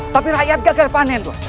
tapi rakyat gagal panen